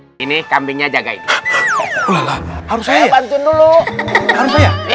hai ini kambingnya jaga itu harus saya bantu dulu